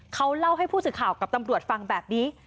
เขาเล่าให้ผู้สื่อข่าวกับตำรวจฟังแบบนี้